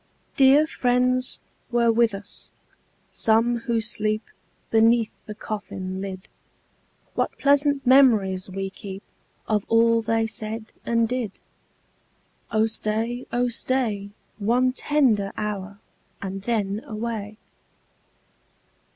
Dear friends were with us, some who sleep Beneath the coffin lid : What pleasant memories we keep Of all they said and did ! Oh stay, oh stay, One tender hour, and then away.